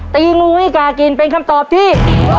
ตีงูให้กากินเป็นคำตอบที่